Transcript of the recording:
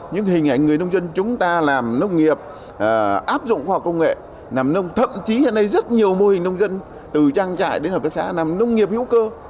những hình ảnh người nông dân chúng ta làm nông nghiệp áp dụng khoa học công nghệ thậm chí hiện nay rất nhiều mô hình nông dân từ trang trại đến hợp tác xã làm nông nghiệp hữu cơ